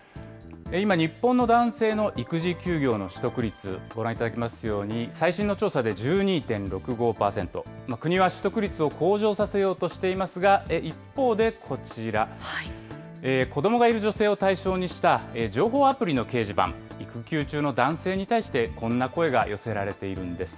今、日本の男性の育児休業の取得率、ご覧いただきますように、最新の調査で１２．６５％、国は取得率を向上させようとしていますが、一方でこちら、子どもがいる女性を対象にした情報アプリの掲示板、育休中の男性に対して、こんな声が寄せられているんです。